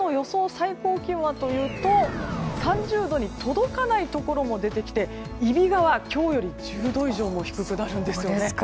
最高気温はというと３０度に届かないところも出てきて揖斐川、今日より１０度以上も低くなるんですよね。